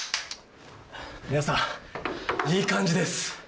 皆さんいい感じです！